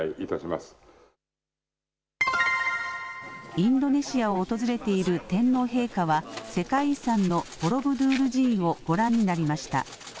インドネシアを訪れている天皇陛下は世界遺産のボロブドゥール寺院をご覧になりました。